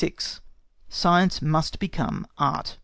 SCIENCE MUST BECOME ART.